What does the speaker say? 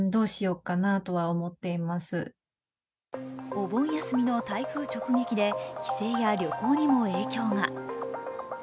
お盆休みの台風直撃で帰省や旅行にも影響が。